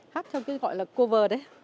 hát theo cái gọi là cover đấy